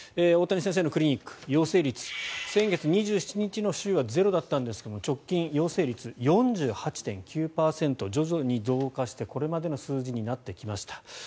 大谷先生の陽性率陽性率、先月２７日の週は直近の陽性率４８．９％徐々に増加してこれまでの数字になってきました。